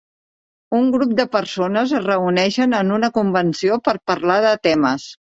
Un grup de persones es reuneixen en una convenció per parlar de temes.